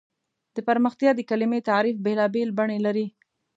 د پرمختیا د کلیمې تعریف بېلابېل بڼې لري.